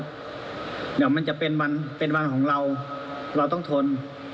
เดี๋ยวมันจะเป็นวันของเราเราต้องทน